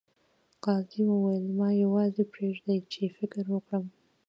قاضي وویل ما یوازې پریږدئ چې فکر وکړم.